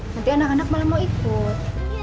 nanti anak anak malah mau ikut